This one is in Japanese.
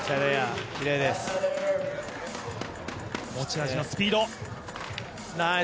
持ち味のスピード。